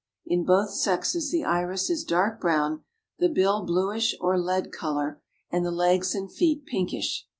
In both sexes the iris is dark brown, the bill bluish or lead color, and the legs and feet pinkish.